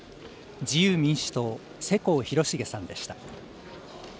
自由民主党、世耕弘成さんでした。